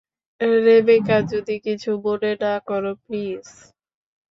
Rebecca, যদি কিছু মনে না করো, প্লিজ?